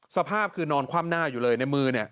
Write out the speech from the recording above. สภาพคือนอนคว่ำหน้าอยู่เลยในมือ